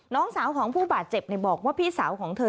น้องสาวของผู้บาดเจ็บบอกว่าพี่สาวของเธอ